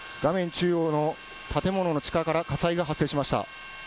中央の建物の地下から火災が発生しました。